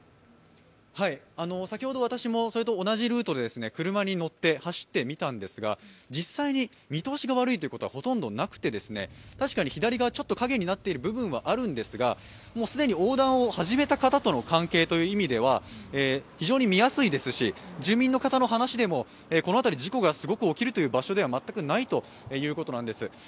先ほど私も同じルートで車に乗って走ってみたんですが、実際に見通しが悪いということはほとんどなくて確かに左側少し影になっている部分はあるんですが、既に横断を始めた方との関係という意味では非常に見やすいですし、住民の方の話でも、この辺り、事故がすごく起きるという場所では全くないということなんです。